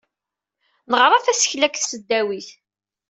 Neɣra tasekla deg tesdawit.